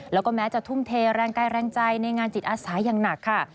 แล้วก็แม้จะทุ่มเทแรงกายแรงใจในงานจิตอาสาอย่างหนักค่ะ